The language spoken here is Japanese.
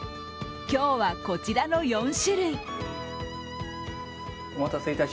今日はこちらの４種類。